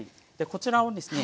こちらをですね